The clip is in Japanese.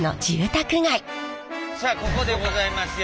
さあここでございますよ